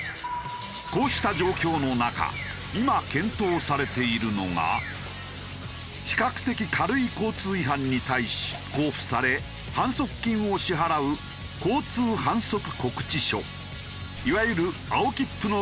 こうした状況の中比較的軽い交通違反に対し交付され反則金を支払う交通反則告知書いわゆる青切符の導入。